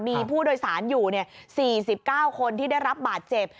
มีผู้โดยสารอยู่๔๙คนที่ได้รับบาดเจ็บ